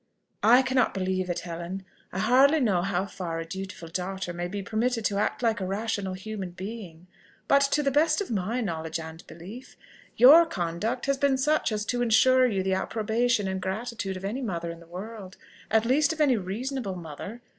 "I cannot believe it, Helen. I hardly know how far a dutiful daughter may be permitted to act like a rational human being; but to the best of my knowledge and belief, your conduct has been such as to ensure you the approbation and gratitude of any mother in the world at least of any reasonable mother.